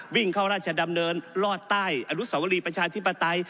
วิ่งเข้าราชดำเนินรอดใต้อนุสวรีประชาธิปไตย